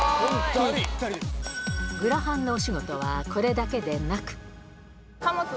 グラハンのお仕事はこれだけでなく。